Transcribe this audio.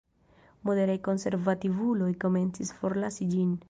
Moderaj konservativuloj komencis forlasi ĝin.